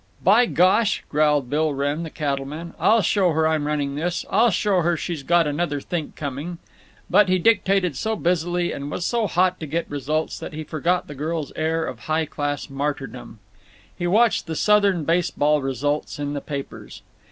"By gosh!" growled Bill Wrenn, the cattleman, "I'll show her I'm running this. I'll show her she's got another think coming." But he dictated so busily and was so hot to get results that he forgot the girl's air of high class martyrdom. He watched the Southern baseball results in the papers.